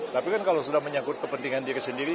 tapi kan kalau sudah menyangkut kepentingan diri sendiri